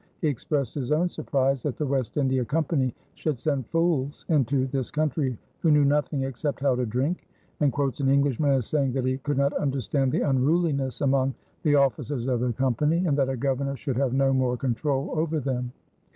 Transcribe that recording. He expressed his own surprise that the West India Company should send fools into this country who knew nothing except how to drink, and quotes an Englishman as saying that he could not understand the unruliness among the officers of the Company and that a governor should have no more control over them.